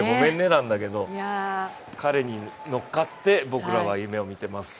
なんだけど彼に乗っかって僕らは夢を見ています。